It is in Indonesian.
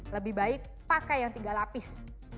lebih baik pakai yang tiga lapis